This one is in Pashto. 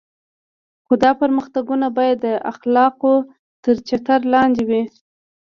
خو دا پرمختګونه باید د اخلاقو تر چتر لاندې وي.